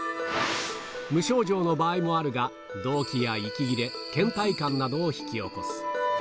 無症状の場合もあるが、どうきや息切れ、けん怠感などを引き起こす。